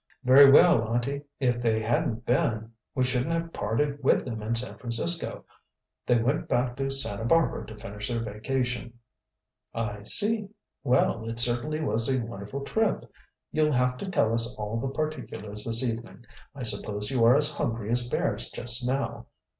"Very well, auntie. If they hadn't been we shouldn't have parted with them in San Francisco. They went back to Santa Barbara to finish their vacation." "I see. Well, it certainly was a wonderful trip. You'll have to tell us all the particulars this evening. I suppose you are as hungry as bears just now.